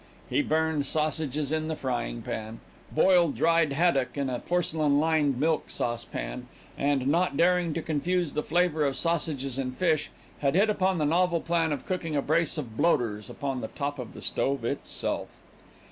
He burned sausages in the frying pan, boiled dried haddock in a porcelain lined milk saucepan and, not daring to confuse the flavour of sausages and fish, had hit upon the novel plan of cooking a brace of bloaters upon the top of the stove itself.